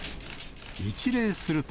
一礼すると。